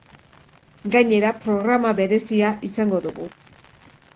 Gainera, programa berezia izango dugu.